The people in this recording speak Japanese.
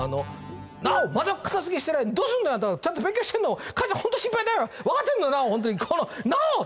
奈央また片付けしてないどうすんだちゃんと勉強してんの母ちゃんホント心配だよ分かってんの奈央ホントに奈央！